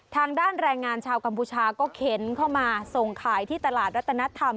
ทางด้านแรงงานชาวกัมพูชาก็เข็นเข้ามาส่งขายที่ตลาดรัตนธรรม